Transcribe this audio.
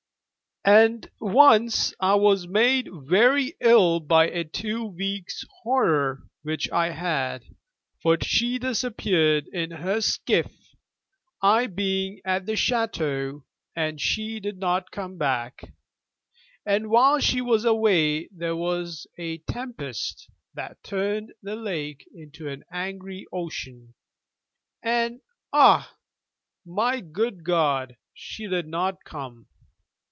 And once I was made very ill by a two weeks' horror which I had: for she disappeared in her skiff, I being at the Château, and she did not come back; and while she was away there was a tempest that turned the lake into an angry ocean, and, ah my good God, she did not come.